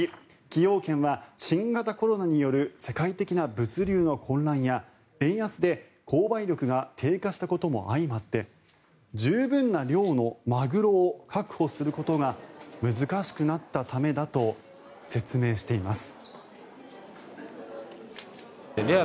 崎陽軒は新型コロナによる世界的な物流の混乱や円安で購買力が低下したことも相まって十分な量のマグロを確保することが難しくなったためだと説明しています。